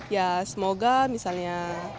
ya semoga misalnya